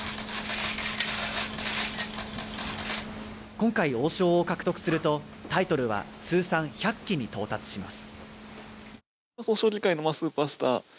今回、王将を獲得するとタイトルは通算１００期に到達します。